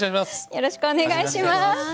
よろしくお願いします。